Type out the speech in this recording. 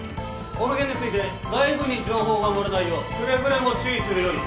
この件について外部に情報が漏れないようくれぐれも注意するように。